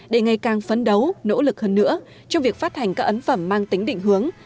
để ngày càng phấn đấu nỗ lực hơn nữa trong việc phát hành các ấn phẩm mang tính định hướng